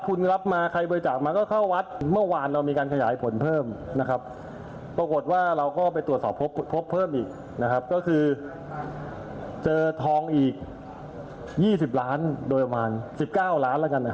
ก็นึกว่าไปบวชนี่สะสมภูมิบุญสะสมความรู้ทางด้านพุทธศาสนา